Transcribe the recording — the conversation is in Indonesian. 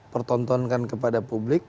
pertontonkan kepada publik